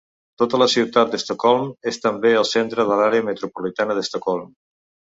Tota la ciutat d'Estocolm és també el centre de l'àrea metropolitana d'Estocolm.